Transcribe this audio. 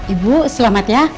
ibu selamat ya